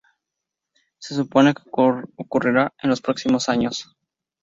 Se supone que ocurra en los próximos años.